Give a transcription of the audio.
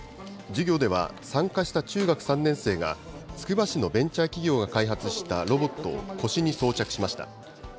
授業では参加した中学３年生がつくば市のベンチャー企業が開発したロボットを腰に装着しました。